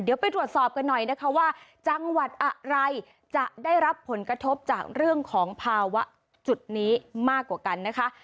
เดี๋ยวไปตรวจสอบกันหน่อยนะคะว่าจังหวัดอะไรจะได้รับผลกระทบจากเรื่องของภาวะจุดนี้มากกว่ากันนะคะ